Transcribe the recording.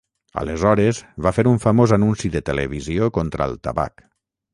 Aleshores va fer un famós anunci de televisió contra el tabac.